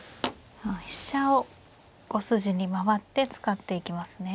飛車を５筋に回って使っていきますね。